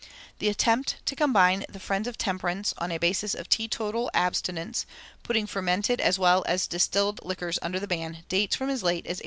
The attempt to combine the friends of temperance on a basis of "teetotal" abstinence, putting fermented as well as distilled liquors under the ban, dates from as late as 1836.